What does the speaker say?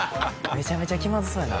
めちゃめちゃ気まずそうやな。